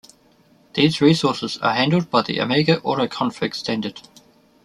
These resources are handled by the Amiga Autoconfig standard.